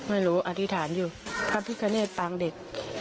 อธิษฐานอยู่พระพิกเนตปางเด็ก